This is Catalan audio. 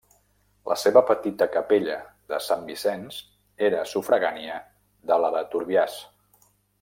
La seva petita capella de Sant Vicenç era sufragània de la de Turbiàs.